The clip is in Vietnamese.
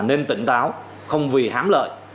nên tỉnh táo không vì hám lợi